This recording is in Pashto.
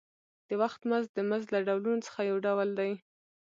د وخت مزد د مزد له ډولونو څخه یو ډول دی